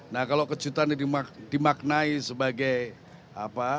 nah kalau kejutan ini dimaknai sebagai apa